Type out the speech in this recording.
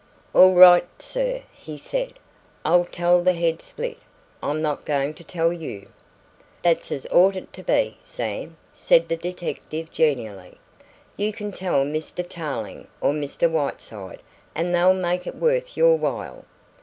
"All right, sir," he said. "I'll tell the head split. I'm not going to tell you." "That's as it ought to be, Sam," said the detective genially. "You can tell Mr. Tarling or Mr. Whiteside and they'll make it worth your while."